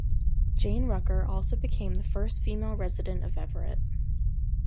Jane Rucker also became the first female resident of Everett.